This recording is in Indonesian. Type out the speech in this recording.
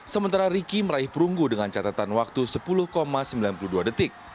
sementara riki meraih perunggu dengan catatan waktu sepuluh sembilan puluh dua detik